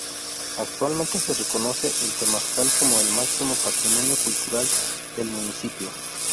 Actualmente se reconoce el Temazcal como el máximo patrimonio cultural del municipio.